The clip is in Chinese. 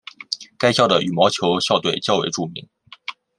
该校的羽毛球校队较为著名。